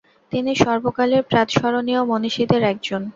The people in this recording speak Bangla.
তিনি সর্বকালের প্রাতঃস্মরণীয় মনীষীদের একজন।